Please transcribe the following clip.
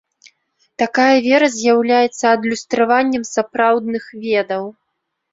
Такая вера з'яўляецца адлюстраваннем сапраўдных ведаў.